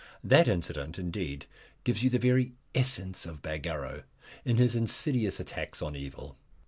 That incident, indeed, gives you the very essence of Bagarrow in his insidious attacks on evil.